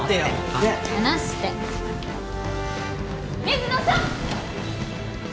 水野さん！